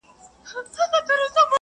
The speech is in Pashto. دا مفکورې په اقتصاد کي ډېر ارزښت لري.